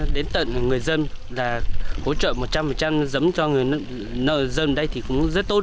đến tận người dân là hỗ trợ một trăm linh giống cho nợ dân đây thì cũng rất tốt